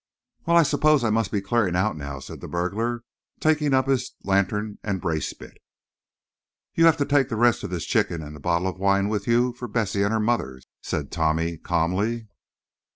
"Well, I suppose I must be clearing out now," said the burglar, taking up his lantern and bracebit. "You have to take the rest of this chicken and the bottle of wine with you for Bessie and her mother," said Tommy, calmly.